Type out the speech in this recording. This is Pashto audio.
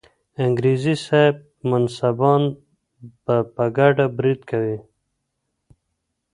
انګریزي صاحب منصبان به په ګډه برید کوي.